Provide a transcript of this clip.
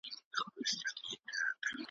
كه پر مځكه شيطانان وي او كه نه وي `